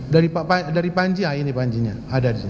dari pak panji ya ini panji nya ada di sini